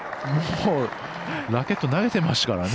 ラケット投げてましたからね。